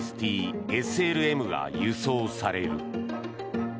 ＩＲＩＳ−ＴＳＬＭが輸送される。